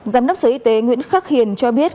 giám đốc sở y tế nguyễn khắc hiền cho biết